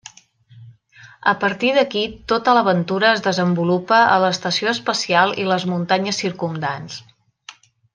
A partir d'aquí tota l'aventura es desenvolupa a l'estació espacial i les muntanyes circumdants.